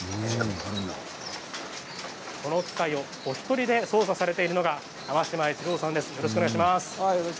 この機械をお一人で操作されているのが椛島一郎さんです。